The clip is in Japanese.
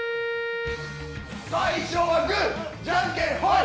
最初はグー、じゃんけんホイ。